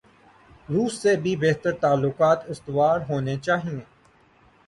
روس سے بھی بہتر تعلقات استوار ہونے چائیں۔